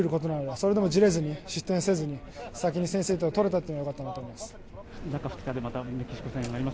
それでもじれずに、失点せずに先に先制点を取れたのが良かったと思います。